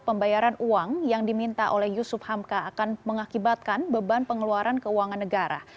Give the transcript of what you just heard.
pembayaran uang yang diminta oleh yusuf hamka akan mengakibatkan beban pengeluaran keuangan negara